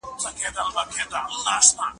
وخاندې